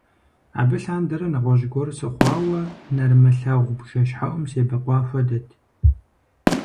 Абы лъандэрэ нэгъуэщӀ гуэр сыхъуауэ, нэрымылъагъу бжэщхьэӀум себэкъуа хуэдэт.